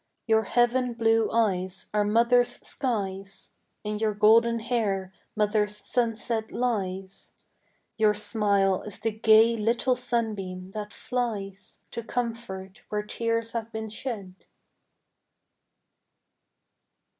Your heaven blue eyes are Mother's skies, In your golden hair Mother's sunset lies, Your smile is the gay little sunbeam that flies To comfort where tears have been shed.